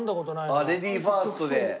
あっレディーファーストで。